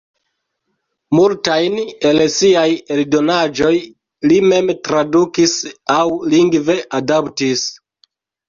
Multajn el siaj eldonaĵoj li mem tradukis aŭ lingve adaptis.